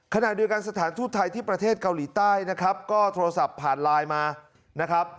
ขณะเดียวกันสถานทูตไทยที่ประเทศเกาหลีใต้นะครับก็โทรศัพท์ผ่านไลน์มานะครับ